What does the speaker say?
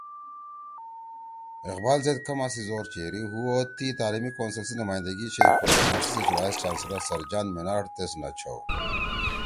اقبال زید کما سی زور چیری ہُو او تی تعلیمی کونسل سی نمائندگی چھیئی خو یونیورسٹی سی وائس چانسلر سر جان مینارڈ تیس نہ چھؤ